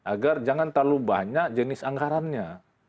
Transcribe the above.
agar jangan terlalu banyak jenis anggarannya